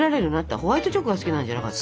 ホワイトチョコが好きなんじゃなかった？